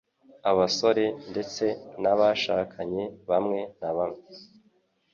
abasore ndetse n'abashakanye bamwe na bamwe